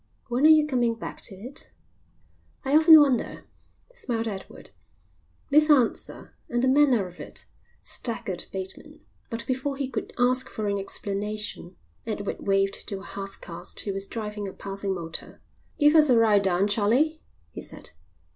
"When are you coming back to it?" "I often wonder," smiled Edward. This answer, and the manner of it, staggered Bateman, but before he could ask for an explanation Edward waved to a half caste who was driving a passing motor. "Give us a ride down, Charlie," he said.